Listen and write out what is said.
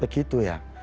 pak giai terus manjur